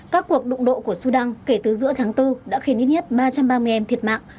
các cuộc đụng độ của sudan kể từ giữa tháng bốn đã khiến ít nhất ba trăm ba mươi em thiệt mạng